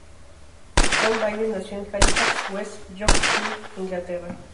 Tom Bailey nació en Halifax, West Yorkshire, Inglaterra.